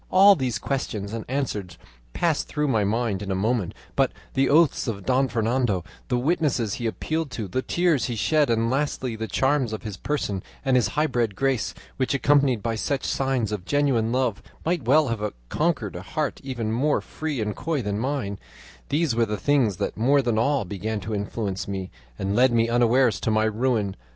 "All these questions and answers passed through my mind in a moment; but the oaths of Don Fernando, the witnesses he appealed to, the tears he shed, and lastly the charms of his person and his high bred grace, which, accompanied by such signs of genuine love, might well have conquered a heart even more free and coy than mine these were the things that more than all began to influence me and lead me unawares to my ruin.